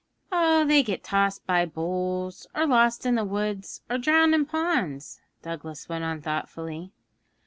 'They get tossed by bulls, or lost in the woods, or drowned in ponds,' Douglas went on thoughtfully.